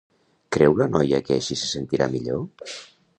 Creu la noia que així se sentirà millor?